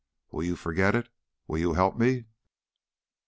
Will you forget it? Will you help me?"